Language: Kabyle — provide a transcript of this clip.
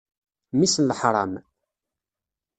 Mmi-s n leḥṛam!